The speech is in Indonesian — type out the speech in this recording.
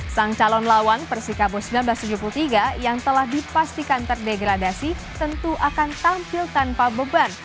sang calon lawan persikabo seribu sembilan ratus tujuh puluh tiga yang telah dipastikan terdegradasi tentu akan tampil tanpa beban